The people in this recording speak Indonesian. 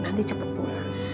nanti cepet pulang